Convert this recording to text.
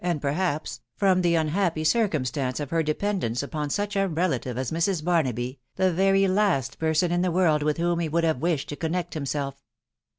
and perhaps, from the unhappy circumstance of her depend ence upon such a relative as Mrs. Barnaby, the very last person in the world with whom he would have wished to con nect himself.